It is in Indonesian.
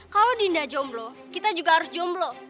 kalau dinda jomblo kita juga harus jomblo